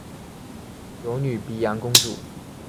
有女沘阳公主。